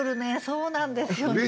そうなんですよね。